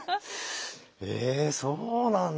えそうなんだ。